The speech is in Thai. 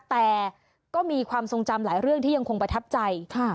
แต่ก็มีความทรงจำหลายเรื่องที่ยังคงประทับใจ